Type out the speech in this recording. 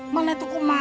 mana itu rumah